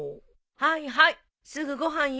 はいはいすぐご飯よ。